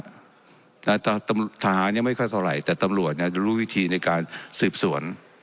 ทหารยังไม่ค่อยเท่าไหร่แต่ตำรวจจะรู้วิธีในการสืบสวน